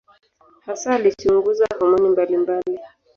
Hasa alichunguza homoni mbalimbali.